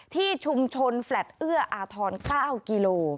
ที่ชุมชนแฟลตเอื้ออาทร๙กิโล